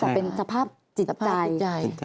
แต่เป็นสภาพจิตใจ